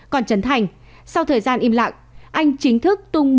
còn trấn thành sau thời gian im lặng anh chính thức tung